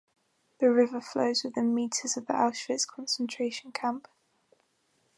The river flows within metres of the Auschwitz concentration camp.